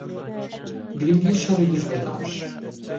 گرنگی شەڕی دژ بە داعش